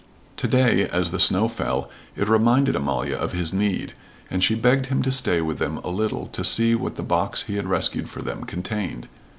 To day, as the snow fell, it reminded Amalia of his need, and she begged him to stay with them a little to see what the box he had rescued for them contained.